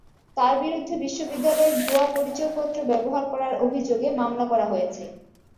তাঁর বিরুদ্ধে বিশ্ববিদ্যালয়ের ভুয়া পরিচয়পত্র ব্যবহার করার অভিযোগে মামলা করা হয়েছে।